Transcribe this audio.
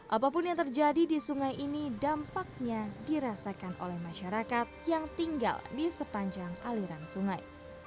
apapun yang terjadi di sungai ini dampaknya dirasakan oleh masyarakat yang tinggal di sepanjang aliran sungai